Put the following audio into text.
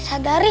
ayah bangun ya